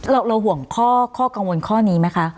เราห่วงข้อกังวลข้อนี้ไหมคะ